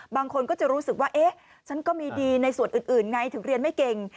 บางคนก็จะรู้สึกว่าเอ๊ะฉันก็มีดีในส่วนอื่นไงถึงเรียนไม่เก่ง